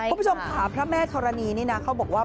คุณผู้ชมค่ะพระแม่ธรณีนี่นะเขาบอกว่า